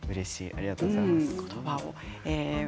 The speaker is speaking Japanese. ありがとうございます。